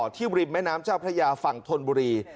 ริมแม่น้ำเจ้าพระยาฝั่งธนบุรี